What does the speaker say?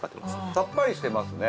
さっぱりしてますね